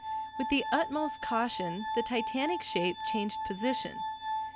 With the utmost caution the titanic shape changed position.